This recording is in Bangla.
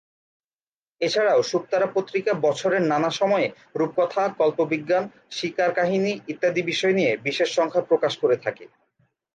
এছাড়াও শুকতারা পত্রিকা বছরের নানা সময়ে রূপকথা, কল্পবিজ্ঞান, শিকার কাহিনী ইত্যাদি বিষয় নিয়ে বিশেষ সংখ্যা প্রকাশ করে থাকে।